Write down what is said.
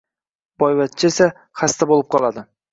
Boyvachcha esa, xasta bo‘lib qoladi.